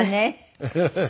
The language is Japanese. ハハハハ。